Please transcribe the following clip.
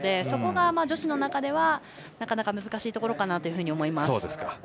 そこが女子の中ではなかなか難しいところかなと思います。